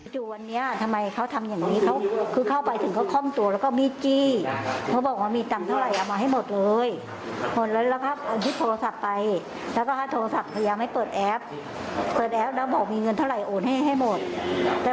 ได้โทรศัพท์มาแล้วบอกมีจังเท่าไหร่มา